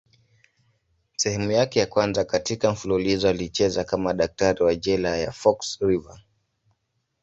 Sehemu yake ya kwanza katika mfululizo alicheza kama daktari wa jela ya Fox River.